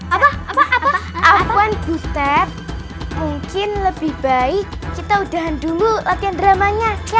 apa apa apa apa apa mungkin lebih baik kita udahan dulu latihan dramanya ya